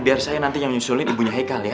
biar saya nanti yang menyusulin ibunya haikal ya